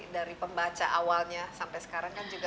dari pembaca awalnya sampai sekarang